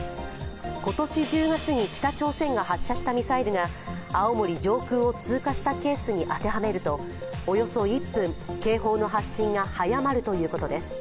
今年１０月に北朝鮮が発射したミサイルが青森上空を通過したケースに当てはめるとおよそ１分、警報の発信が早まるということです。